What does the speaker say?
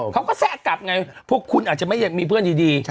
เขาก็แซะกลับไงพวกคุณอาจจะไม่อยากมีเพื่อนดี